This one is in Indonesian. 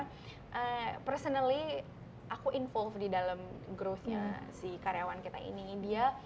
saya sendiri terlibat dalam kekembangan karyawan kita